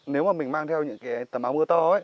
nếu mà mình mang theo những cái tầm áo mưa to ấy